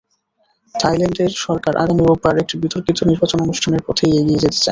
থাইল্যান্ডের সরকার আগামী রোববার একটি বিতর্কিত নির্বাচন অনুষ্ঠানের পথেই এগিয়ে যেতে চায়।